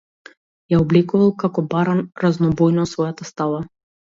Ја облекувал како барон разнобојно својата става.